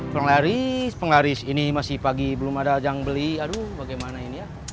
penglaris penglaris ini masih pagi belum ada ajang beli aduh bagaimana ini ya